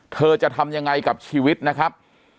เธอจะทำยังไงกับชีวิตนะครับ